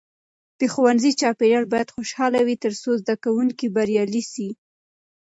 د ښوونځي چاپیریال باید خوشحاله وي ترڅو زده کوونکي بریالي سي.